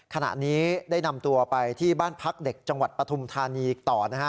ขณะนี้ได้นำตัวไปที่บ้านพักเด็กจังหวัดปฐุมธานีอีกต่อนะฮะ